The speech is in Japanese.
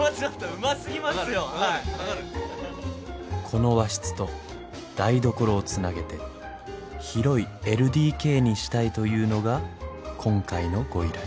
この和室と台所をつなげて広いＬＤＫにしたいというのが今回のご依頼。